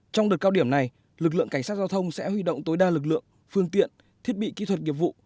trong đợt cao điểm này lực lượng cảnh sát giao thông sẽ huy động tối đa lực lượng phương tiện thiết bị kỹ thuật nghiệp vụ